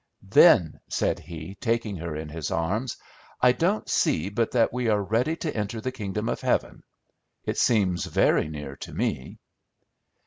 "Then," said he, taking her in his arms, "I don't see but that we are ready to enter the kingdom of heaven. It seems very near to me."